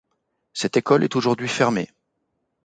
Cette école est aujourd'hui fermée.